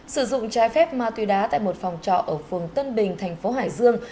sử dụng trái phép ma túy đá tại một phòng trọ ở phường tân bình thành phố hải dương